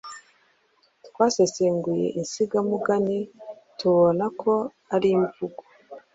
Twasesenguye insigamugani, tubona ko ari imvugo